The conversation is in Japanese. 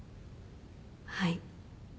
はい。